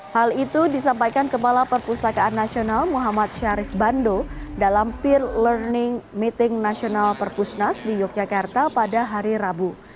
hal itu disampaikan kepala perpustakaan nasional muhammad syarif bando dalam peer learning meeting nasional perpusnas di yogyakarta pada hari rabu